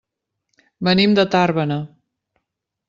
Venim de Tàrbena.